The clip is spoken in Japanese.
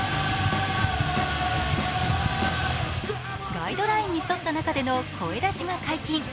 ガイドラインに沿った中での声出しが解禁。